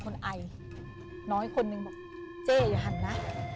บอกเจ๊อย่าหันนะ